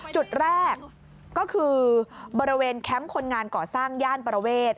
จุดแรกก็คือบริเวณแคมป์คนงานก่อสร้างย่านประเวท